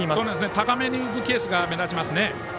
高めに浮くケースが目立ちますね。